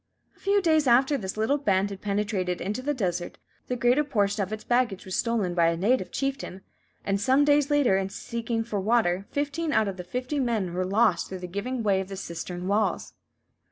A few days after this little band had penetrated into the desert, the greater portion of its baggage was stolen by a native chieftain; and some days later, in seeking for water, fifteen out of the fifty men were lost through the giving way of the cistern walls.